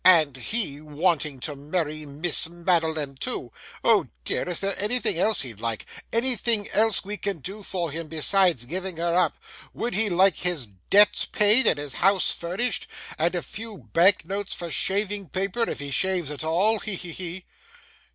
And HE wanting to marry Miss Madeline too! Oh dear! Is there anything else he'd like? Anything else we can do for him, besides giving her up? Would he like his debts paid and his house furnished, and a few bank notes for shaving paper if he shaves at all? He! he! he!